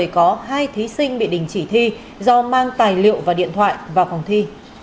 có hai thí sinh bị đình chỉ thi do mang tài liệu và điện thoại vào phòng thi